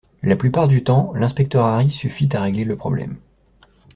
la plupart du temps l’inspecteur Harry suffit à régler le problème.